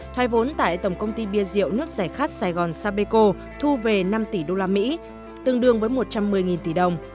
thoái vốn tại tổng công ty bia rượu nước giải khát sài gòn sapeco thu về năm tỷ usd tương đương với một trăm một mươi tỷ đồng